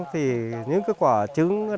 trứng vứt vào trong mó nước